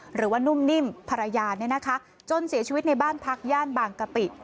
หรือว่านุ่มนิ่มภรรยาเนี่ยนะคะจนเสียชีวิตในบ้านพักย่านบางกะปิ